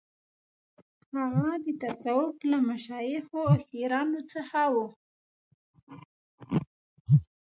هغه د تصوف له مشایخو او پیرانو څخه و.